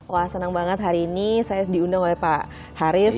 wah senang banget hari ini saya diundang oleh pak haris